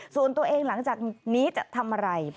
ส่วนตัวเองหลังจากนี้จะทำอะไร